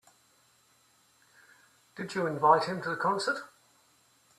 Did you invite him to the concert?